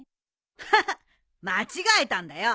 ハハッ間違えたんだよ。